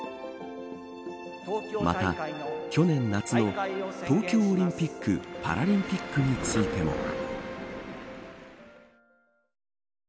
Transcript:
また、去年夏の東京オリンピック・パラリンピックについても。